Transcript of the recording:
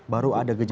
baru ada kejala nya